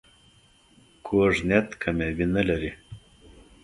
کوږ نیت کامیابي نه لري